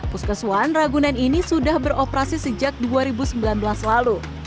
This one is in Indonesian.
puskesuan ragunan ini sudah beroperasi sejak dua ribu sembilan belas lalu